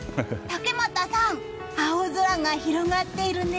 竹俣さん、青空が広がっているね。